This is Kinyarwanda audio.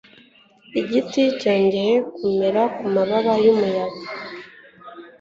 igiti cyongeye kumera mu mababa y'umuyaga